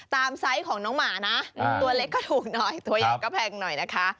ไซส์ของน้องหมานะตัวเล็กก็ถูกหน่อยตัวใหญ่ก็แพงหน่อยนะคะ